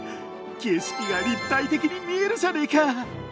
景色が立体的に見えるじゃねえか！